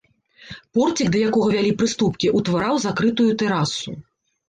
Порцік, да якога вялі прыступкі, утвараў закрытую тэрасу.